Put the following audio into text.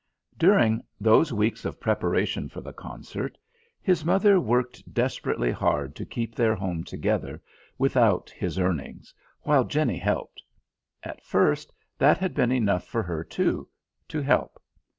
During those weeks of preparation for the concert, his mother worked desperately hard to keep their home together without his earnings, while Jenny helped. At first that had been enough for her, too: to help.